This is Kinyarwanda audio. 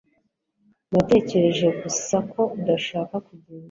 natekereje gusa ko udashaka kugenda